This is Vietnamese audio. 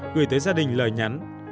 gửi tới gia đình lời nhắn